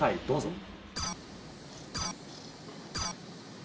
どうぞ。